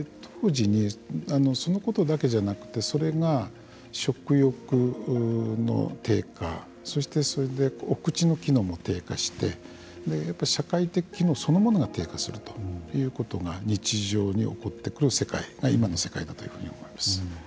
そのことだけじゃなくてそれが食欲の低下そして、お口の機能も低下してやっぱり社会的機能そのものが低下するということが日常に起こってくる世界が今の世界だと思います。